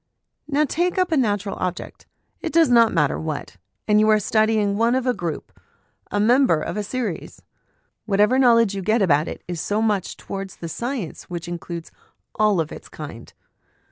Now take up a natural object, it does not matter what, and you are studying one of a group, a member of a series ; whatever knowledge you get about it is so much towards the science which includes all of its kind.